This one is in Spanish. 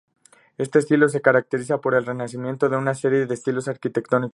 Este estilo se caracteriza por el renacimiento de una serie de estilos arquitectónicos.